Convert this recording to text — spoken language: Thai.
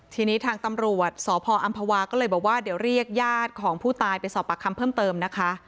ที่นี้ถามตำรวจสพอัมพวาเลยบอกว่าเดี๋ยวเรียกยาดของผู้ตายไปสอบประคัมเพิ่มเติมนะคะ